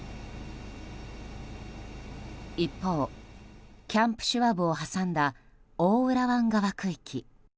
一方、キャンプ・シュワブを挟んだ大浦湾側区域。